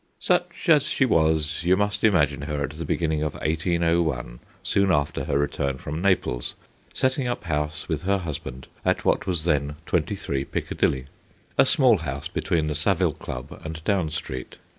Such as she was, you must imagine her at the beginning of 1801, soon after her return from Naples, setting up house with her husband at what was then 23 Piccadilly a small house between the Savile Club and Down Street.